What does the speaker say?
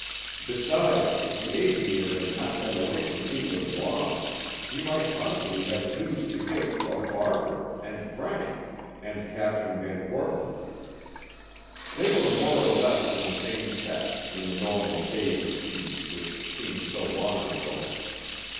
Besides, if the aviator had not been away from England long, he might possibly have news to give of Barbara and Frank and Kathryn VanKortland. They were more or less in the same set, in the normal days of peace which seemed so long ago.